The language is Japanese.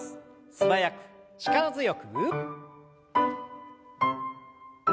素早く力強く。